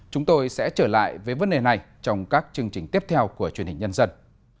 chúng tôi sẽ trở lại với vấn đề này trong các chương trình tiếp theo của truyền hình nhân dân